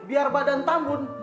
biar badan tampun